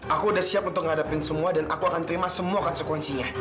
aku udah siap untuk menghadapi semua dan aku akan terima semua konsekuensinya